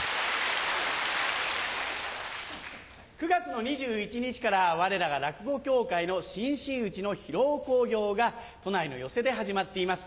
９月の２１日から我らが落語協会の新真打ちの披露興行が都内の寄席で始まっています。